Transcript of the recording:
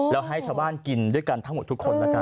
แล้วให้ชาวบ้านกินด้วยกันทั้งหมดทุกคนละกัน